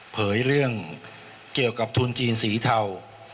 เรื่องเกี่ยวกับทุนจีนสีเทา